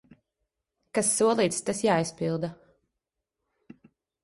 Kas solīts, tas jāizpilda.